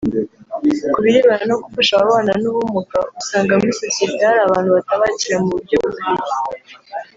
Ku birebana no gufasha ababana n’ubumuga usanga muri sosiyete hari abantu batabakira mu buryo bukwiye